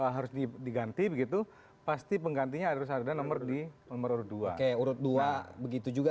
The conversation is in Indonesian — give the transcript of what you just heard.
harus diganti begitu pasti penggantinya harus ada nomor di nomor dua urut dua begitu juga